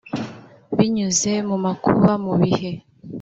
Binyuze mu makuba mu bihe